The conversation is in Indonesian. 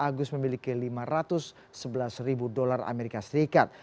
agus memiliki lima ratus sebelas ribu dolar amerika serikat